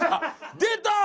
出た！